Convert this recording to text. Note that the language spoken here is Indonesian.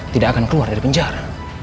tidak akan keluar dari penjara